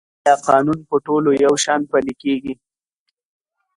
آیا قانون په ټولو یو شان پلی کیږي؟